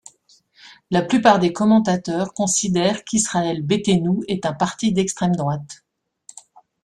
La plupart des commentateurs considèrent qu’Israel Beytenou est un parti d’extrême droite.